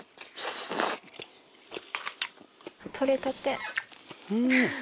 取れたて。